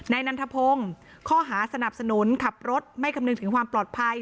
นันทพงศ์ข้อหาสนับสนุนขับรถไม่คำนึงถึงความปลอดภัย